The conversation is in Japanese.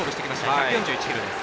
１４１キロです。